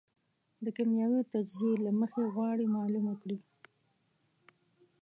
د کېمیاوي تجزیې له مخې غواړي معلومه کړي.